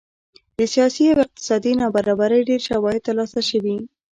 د سیاسي او اقتصادي نابرابرۍ ډېر شواهد ترلاسه شوي